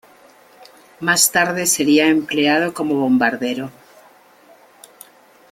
Más tarde sería empleado como bombardero.